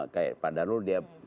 kayak pak darul dia